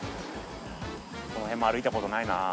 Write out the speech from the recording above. この辺も歩いたことないなぁ。